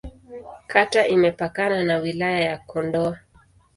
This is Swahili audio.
Kata imepakana na Wilaya ya Kondoa.